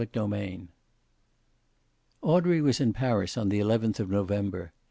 CHAPTER L Audrey was in Paris on the eleventh of November.